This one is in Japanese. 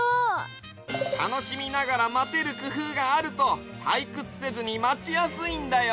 たのしみながらまてるくふうがあるとたいくつせずにまちやすいんだよ。